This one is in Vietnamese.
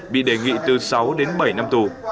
bị đề nghị từ sáu đến bảy năm tù